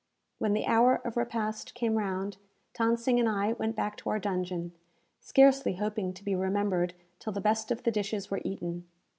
When the hour of repast came round, Than Sing and I went back to our dungeon, scarcely hoping to be remembered till the best of the dishes were eaten.